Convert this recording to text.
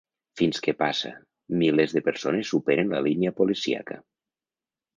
Fins que passa… Milers de persones superen la línia policíaca.